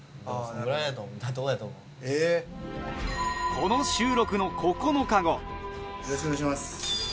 このよろしくお願いします。